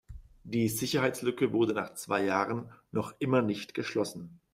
Die Sicherheitslücke wurde nach zwei Jahren noch immer nicht geschlossen.